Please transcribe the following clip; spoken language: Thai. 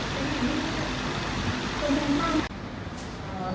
มีใครบอกว่าจะทำสุดระเบือน